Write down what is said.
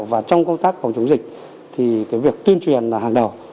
và trong công tác phòng chống dịch thì cái việc tuyên truyền là hàng đầu